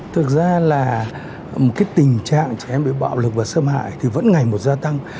thực ra là tình trạng trẻ em bị bạo lực và xâm hại vẫn ngày một gia tăng